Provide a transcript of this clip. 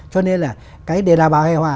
cho nên là cái đảm bảo hài hòa